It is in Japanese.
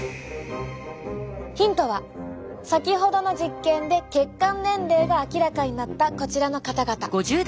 ヒントは先ほどの実験で血管年齢が明らかになったこちらの方々。